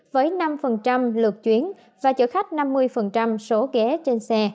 với năm lượt chuyến và chở khách năm mươi số ghế trên xe